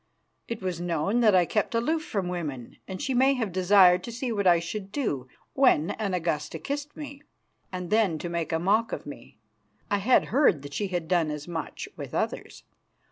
It was known that I kept aloof from women, and she may have desired to see what I should do when an Augusta kissed me, and then to make a mock of me. I had heard that she had done as much with others.